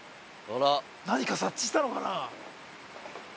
何か察知したのかな？